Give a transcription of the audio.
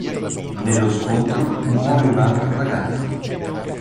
Nello scontro muore un altro ragazzo.